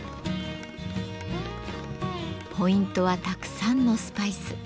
ポイントはたくさんのスパイス。